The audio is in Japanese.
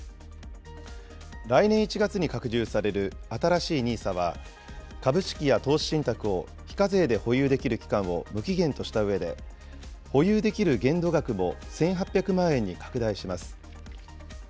来年１月に拡充される新しいＮＩＳＡは、株式や投資信託を非課税で保有できる期間を無期限としたうえで、保有できる限度額も１８００万円に拡大します。